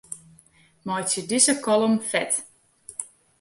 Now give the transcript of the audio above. Meitsje dizze kolom fet.